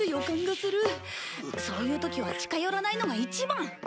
そういう時は近寄らないのが一番！